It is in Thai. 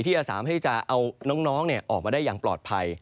ที่จะสามารถที่จะเอาน้องออกมาได้อย่างปลอดภัย